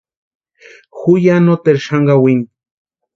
Ju ya noteru xani kawini.